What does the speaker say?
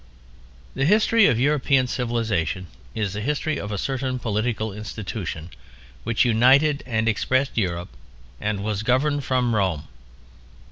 The history of European civilization is the history of a certain political institution which united and expressed Europe, and was governed from Rome.